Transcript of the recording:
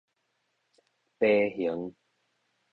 耙形